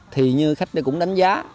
thì như khách đây cũng đánh giá